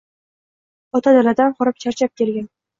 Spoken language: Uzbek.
Ota daladan horib-charchab kelgan